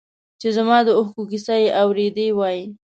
چې زما د اوښکو کیسه یې اورېدی وای.